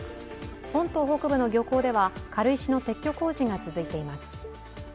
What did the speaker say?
本島北部の漁港では軽石の撤去工事が続いています。